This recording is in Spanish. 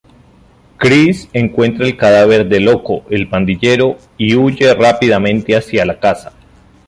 Chris encuentra el cadáver de Loco, el pandillero, y huye rápidamente hacia la casa.